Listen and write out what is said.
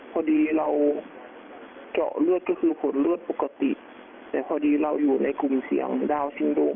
พอดีเราเจาะเลือดก็คือผลเลือดปกติแต่พอดีเราอยู่ในกลุ่มเสี่ยงดาวเสียงโดม